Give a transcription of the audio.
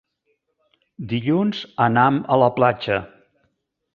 Dilluns anam a la platja.